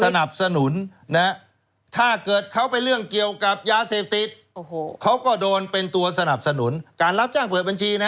สนับสนุนนะถ้าเกิดเขาไปเรื่องเกี่ยวกับยาเสพติดเขาก็โดนเป็นตัวสนับสนุนการรับจ้างเปิดบัญชีนะ